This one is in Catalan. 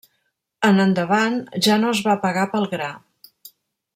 En endavant ja no es va pagar pel gra.